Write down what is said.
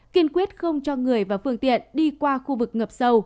kiên quyết không cho người và phương tiện đi qua khu vực ngập sâu